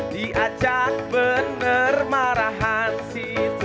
diajak bener marahan situ